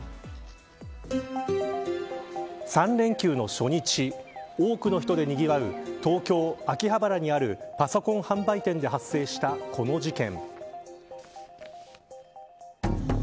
３連休の初日多くの人でにぎわう東京・秋葉原にあるパソコン販売店で発生したこの事件。